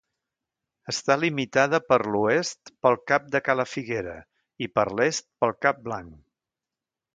Està limitada per l'oest pel cap de Cala Figuera, i per l'est pel cap Blanc.